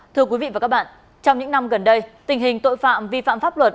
thưa quý vị và các bạn trong những năm gần đây tình hình tội phạm vi phạm pháp luật